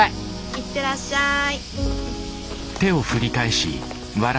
いってらっしゃい。